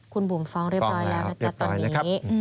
คุณบุ๋มฟ้องเรียบร้อยแล้วนะจ๊ะตอนนี้